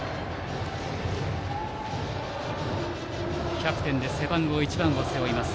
キャプテンで背番号１番を背負います